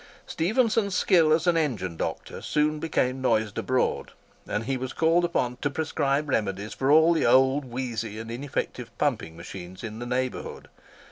Stephenson's skill as an engine doctor soon became noised abroad, and he was called upon to prescribe remedies for all the old, wheezy, and ineffective pumping machines in the neighbourhood.